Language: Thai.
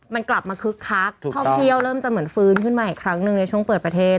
มันกลับมาคึกคักท่องเที่ยวเริ่มจะเหมือนฟื้นขึ้นมาอีกครั้งหนึ่งในช่วงเปิดประเทศ